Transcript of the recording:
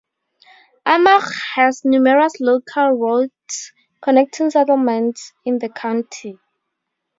Armagh has numerous local roads connecting settlements in the county.